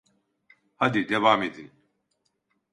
Hadi, devam edin.